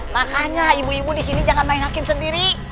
makanya ibu ibu disini jangan main hakim sendiri